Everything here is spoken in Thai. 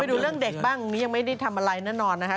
ดูเรื่องเด็กบ้างนี้ยังไม่ได้ทำอะไรแน่นอนนะคะ